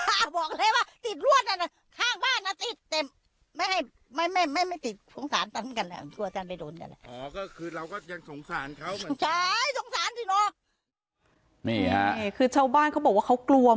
อ่าบอกเลยว่าติดรวดนั้นน่ะข้างบ้านน่ะติดเต็มไม่ให้